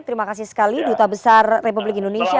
terima kasih sekali duta besar republik indonesia